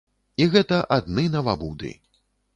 І гэта адны навабуды.